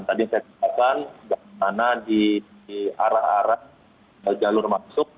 tadi saya katakan bagaimana di arah arah jalur masuk